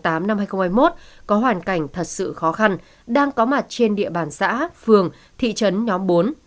năm hai nghìn hai mươi một có hoàn cảnh thật sự khó khăn đang có mặt trên địa bàn xã phường thị trấn nhóm bốn